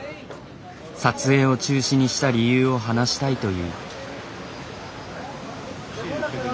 撮影を中止にした理由を話したいという。